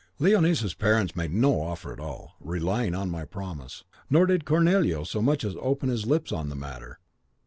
"Leonisa's parents made no offer at all, relying on my promise, nor did Cornelio so much as open his lips on the matter.